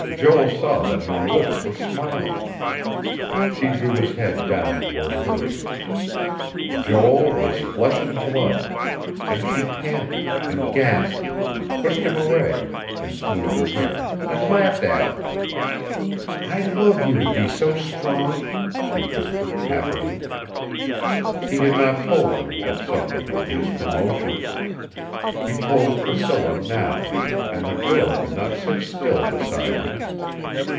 Joel saw that her lips were smiling.... She drew his head down toward hers.... Joel was flesh and blood; and she panted, and gasped, and pushed him away, and smoothed her hair, and laughed at him. "I love you to be so strong," she whispered, happily. He had not told them, at supper, of his promotion. He told Priscilla now; and the girl could not sit still beside him.